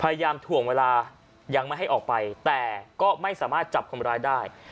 ถ่วงเวลายังไม่ให้ออกไปแต่ก็ไม่สามารถจับคนร้ายได้